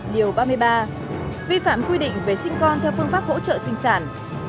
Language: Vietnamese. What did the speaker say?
điều ba mươi ba vi phạm quy định về sinh con theo phương pháp hỗ trợ sinh sản